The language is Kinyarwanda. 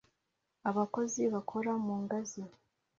Abakozi bakora mu ngazi